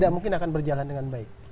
tidak mungkin akan berjalan dengan baik